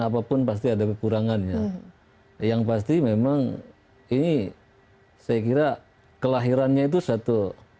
apapun pasti ada kekurangannya yang pasti memang ini saya kira kelahirannya itu satu